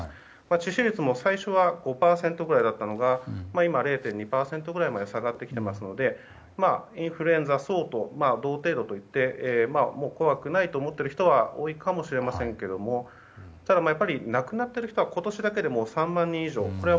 致死率も最初は５％ぐらいだったのが今は０．２％くらいまで下がってきていますのでインフルエンザ相当同程度といって怖くないと思っている人は多いかもしれませんがただ、亡くなっている人は今年だけで３万人以上。